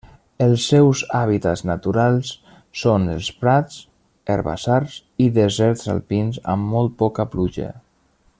Els seus hàbitats naturals són els prats, herbassars i deserts alpins amb molt poca pluja.